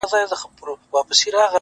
غوږ سه ورته’